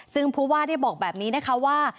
ซึ่งผู้ว่าได้บอกแบบนี้นะคะว่า